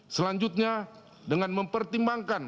selanjutnya dengan mempertimbangkan